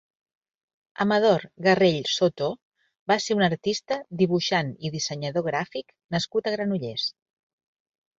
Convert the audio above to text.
Amador Garrell Soto va ser un artista, dibuixant i dissenyador gràfic nascut a Granollers.